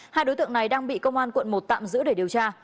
hai đối tượng này đang bị công an quận một tạm giữ để điều tra